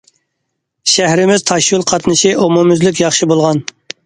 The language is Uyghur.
شەھىرىمىز تاشيول قاتنىشى ئومۇميۈزلۈك ياخشى بولغان.